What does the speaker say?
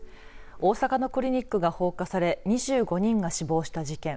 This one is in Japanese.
大阪のクリニックが放火され２５人が死亡した事件。